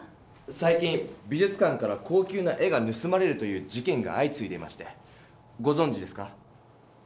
さい近美じゅつ館から高級な絵がぬすまれるという事件があいついでましてごぞんじですか？